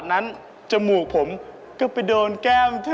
ดังนั้นจมูกผมก็ไปโดนแก้มเธอ